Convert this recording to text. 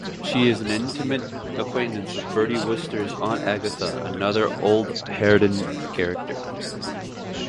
She is an intimate acquaintance of Bertie Wooster's Aunt Agatha, another old harridan character.